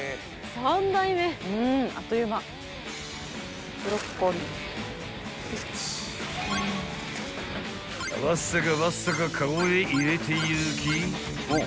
［わっさかわっさかカゴへ入れていき］